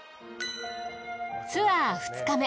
ツアー２日目。